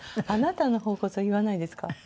あなたの方こそ言わないですか？